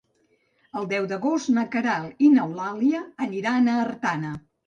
El deu d'agost na Queralt i n'Eulàlia aniran a Artana.